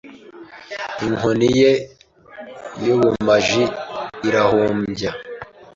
Inkoni ye y'ubumaji irahumbya